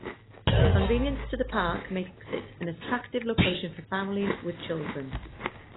Convenience to the park makes it an attractive location for families with children.